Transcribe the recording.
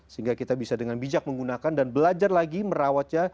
sehingga kita bisa dengan bijak menggunakan dan belajar lagi merawatnya